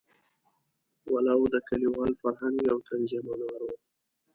ولو د کلیوال فرهنګ یو طنزیه منار وو.